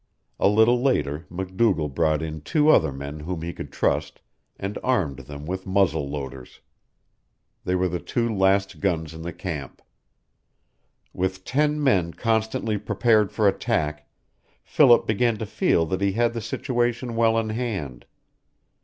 A little later MacDougall brought in two other men whom he could trust, and armed them with muzzle loaders. They were the two last guns in the camp. With ten men constantly prepared for attack, Philip began to feel that he had the situation well in hand.